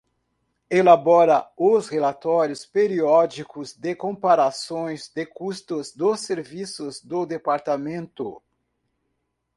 Elabora os relatórios periódicos de comparações de custos dos serviços do Departamento.